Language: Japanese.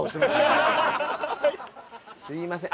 すいません。